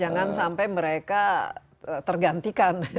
jangan sampai mereka tergantikan